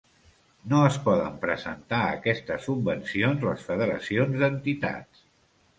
No es poden presentar a aquestes subvencions les federacions d'entitats.